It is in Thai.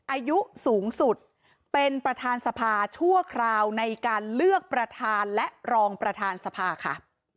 อายุสูงสุดเป็นประธานสภาชั่วคราวในการเลือกประธานและรองประธานสภาค่ะ